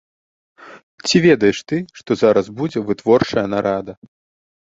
Ці ведаеш ты, што зараз будзе вытворчая нарада?